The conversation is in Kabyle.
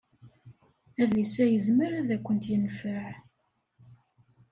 Adlis-a yezmer ad kent-yenfeɛ.